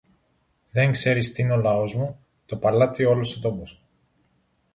Δεν ξέρεις τι είναι ο λαός μου, το παλάτι, όλος ο τόπος.